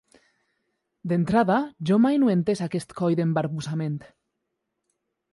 D'entrada, jo mai no he entès aquest coi d'embarbussament.